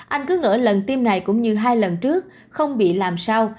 anh cứ ngỡ lần tiêm này cũng như hai lần trước không bị làm sao